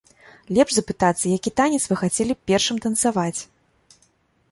Лепш запытацца, які танец вы хацелі б першым танцаваць.